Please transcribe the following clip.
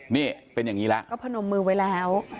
นี่เป็นอย่างนี้แล้วก็พนมมือไว้แล้ว